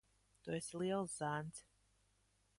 Tu esi liels zēns.